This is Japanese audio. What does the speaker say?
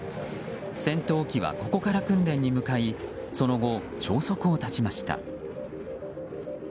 戦闘機はここから訓練に向かいその後、消息を絶ちました。